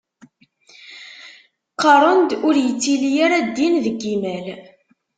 Qqaren-d ur yettili ara ddin deg yimal.